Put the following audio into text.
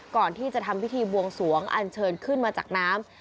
ก่อนที่จะทำพิธีบวงสวงอันเชิญขึ้นมาจากน้ำ